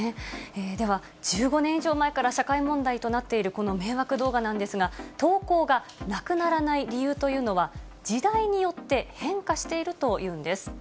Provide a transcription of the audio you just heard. では、１５年以上前から社会問題となっているこの迷惑動画なんですが、投稿がなくならない理由というのは、時代によって変化しているというんです。